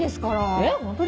えっホントに？